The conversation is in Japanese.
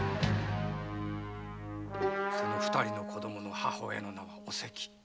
その二人の子供の母親の名前はおせき。